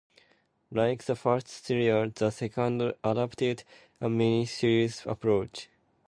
Like the first series, the second adapted a mini-series approach.